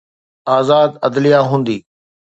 آزاد عدليه هوندي.